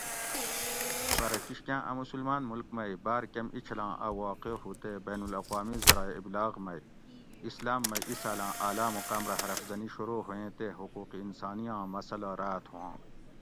پرہ کِشکاۤں اۤ مسلماۤن مُلک مئ باۤر کۤم ایچھلاں اۤ واقعہ ہُو تے بین الاقوامی زرایٔع ابلاغ مئ اسلاۤم مئ ایسالاۤں اعلٰی مقام رہ حرف زنی شروع ہویٔیں تے حقوق انسانی آں مسلۂ راۤت ہواں؟